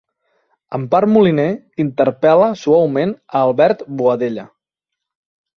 Empar Moliner interpel·la suaument a Albert Boadella